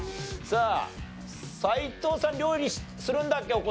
さあ斎藤さん料理するんだっけ？